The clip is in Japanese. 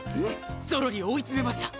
ゾロリを追いつめました！